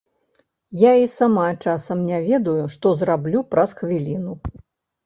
Я і сама часам не ведаю, што зраблю праз хвіліну.